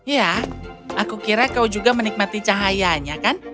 ya aku kira kau juga menikmati cahayanya kan